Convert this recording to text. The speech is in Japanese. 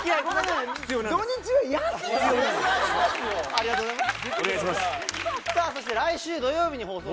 ありがとうございます。